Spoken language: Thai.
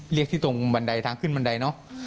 เรียกที่ตรงบันไดทางขึ้นบันไดเนอะ